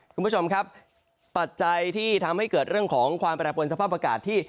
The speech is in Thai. คุณผู้ชมครับปัจจัยที่ทำให้เกิดเรื่องของความแปรปวนสภาพอากาศที่